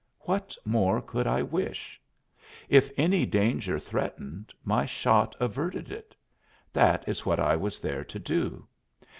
What more could I wish? If any danger threatened, my shot averted it; that is what I was there to do.